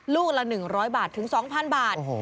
ลูกละ๑๐๐บาทถึง๒๐๐บาท